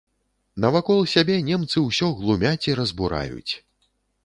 Навакол сябе немцы ўсё глумяць і разбураюць.